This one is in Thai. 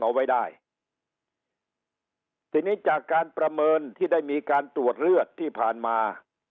เอาไว้ได้ทีนี้จากการประเมินที่ได้มีการตรวจเลือดที่ผ่านมา